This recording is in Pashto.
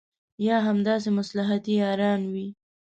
یا همداسې مصلحتي یاران وي.